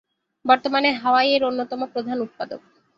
বর্তমানে হাওয়াই এর অন্যতম প্রধান উৎপাদক।